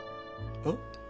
あっ？